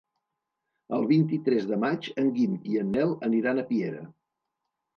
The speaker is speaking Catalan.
El vint-i-tres de maig en Guim i en Nel aniran a Piera.